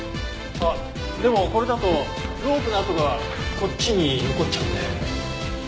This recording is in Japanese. あっでもこれだとロープの痕がこっちに残っちゃうね。